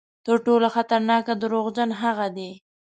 تر ټولو خطرناک دروغجن هغه دي.